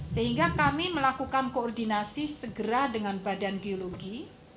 sehingga kami melakukan koordinasi segera dengan badan geologi